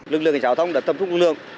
lực lượng trào thông đã tâm trung lượng